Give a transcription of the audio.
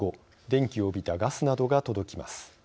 電気を帯びたガスなどが届きます。